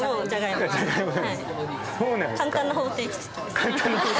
簡単な方程式。